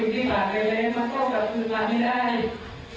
ไม่ให้พ่อมาเกิ้ลเกี่ยวกับหัวบีแต่มันก็จะยากก้าย